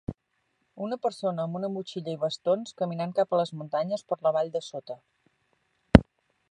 Una persona amb una motxilla i bastons, caminant cap a les muntanyes per la vall de sota.